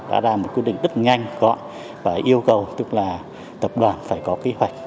đã ra một quyết định rất nhanh gọn và yêu cầu tức là tập đoàn phải có kế hoạch